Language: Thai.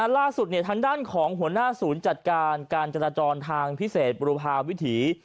ล่าสุดทางด้านของหัวหน้าศูนย์จัดการการจราจรทางพิเศษบุรพาวิถี